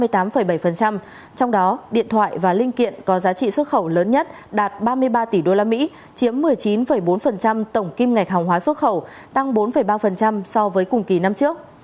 trong đó điện thoại và linh kiện có giá trị xuất khẩu lớn nhất đạt ba mươi ba tỷ usd chiếm một mươi chín bốn tổng kim ngạch hàng hóa xuất khẩu tăng bốn ba so với cùng kỳ năm trước